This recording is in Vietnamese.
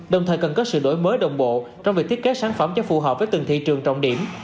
đồng thời cần có sự đổi mới đồng bộ trong việc thiết kế sản phẩm cho phù hợp với từng thị trường trọng điểm